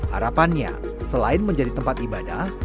harapannya selain menjadi tempat ibadah